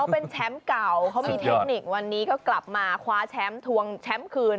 เป็นแชมป์เก่าเขามีเทคนิควันนี้ก็กลับมาคว้าแชมป์ทวงแชมป์คืน